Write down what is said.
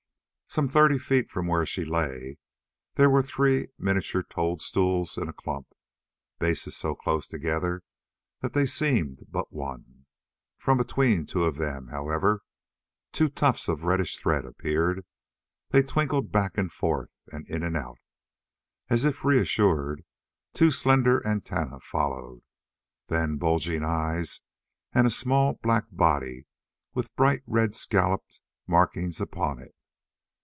Some thirty feet from where she lay, there were three miniature toadstools in a clump, bases so close together that they seemed but one. From between two of them, however, two tufts of reddish thread appeared. They twinkled back and forth and in and out. As if reassured, two slender antennae followed, then bulging eyes and a small, black body with bright red scalloped markings upon it.